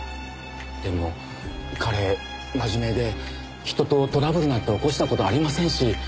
でも彼真面目で人とトラブルなんて起こした事ありませんし。